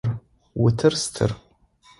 Утыр стыр.